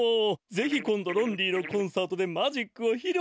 ぜひ今度ロンリーのコンサートでマジックをひろうしてよ。